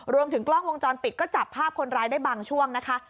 รวมถึงกล้องวงจรปิดก็จับภาพคนร้ายได้บางช่วงนะคะ